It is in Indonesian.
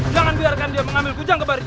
jangan bilarkan dia mengambil pujang ke bar itu